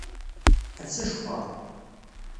Ḥbes ajexxeṛ.